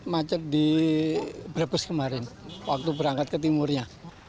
macet di brebes kemarin waktu berangkat ke timurnya